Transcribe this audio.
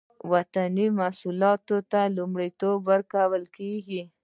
وطني محصولاتو ته لومړیتوب ورکول کیږي